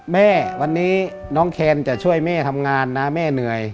แม่วันนี้น้องแคนจะช่วยแม่ทำงานนะแม่เหนื่อย